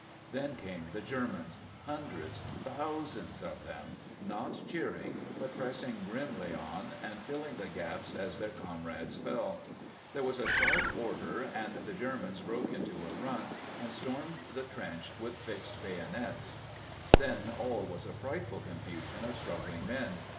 Then came the Germans hundreds, thousands of them not cheering, but pressing grimly on and filling the gaps as their comrades fell. There was a sharp order, and the Germans broke into a run and stormed the trench with fixed bayonets. Then all was a frightful confusion of struggling men.